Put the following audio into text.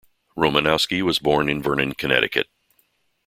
Romanowski was born in Vernon, Connecticut.